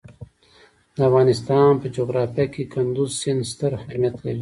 د افغانستان په جغرافیه کې کندز سیند ستر اهمیت لري.